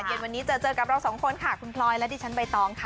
เย็นวันนี้เจอเจอกับเราสองคนค่ะคุณพลอยและดิฉันใบตองค่ะ